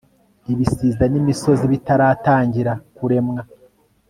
ibisiza n'imisozi bitaratangira kuremwa